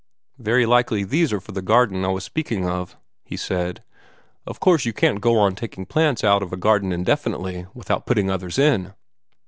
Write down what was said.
"Very likely these are for the garden I was speaking of," he said. "Of course you can't go on taking plants out of a garden indefinitely without putting others in."